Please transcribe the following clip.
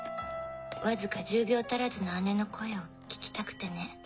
わずか１０秒足らずの姉の声を聞きたくてね。